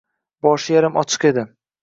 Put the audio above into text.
Boshi yarim ochiq edi.